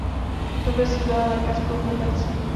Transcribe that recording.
Profesí byla lékařkou z Liberce.